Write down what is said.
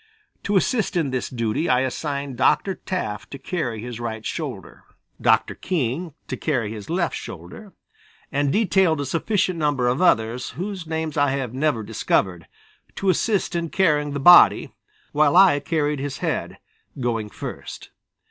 To assist in this duty I assigned Dr. Taft to carry his right shoulder, Dr. King to carry his left shoulder and detailed a sufficient number of others, whose names I have never discovered, to assist in carrying the body, while I carried his head, going first.